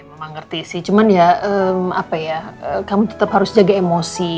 memang ngerti sih cuman ya apa ya kamu tetap harus jaga emosi